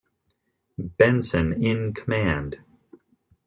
Benson in command.